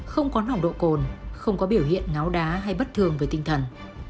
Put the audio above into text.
không có nồng độ cồn không có biểu hiện ngáo đá hay bất thường về tinh thần